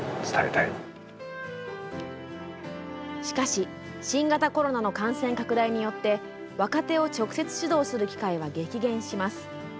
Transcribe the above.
しかし新型コロナの感染拡大によって若手を直接指導する機会は激減します。